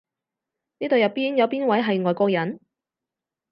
呢度入邊有邊位係外國人？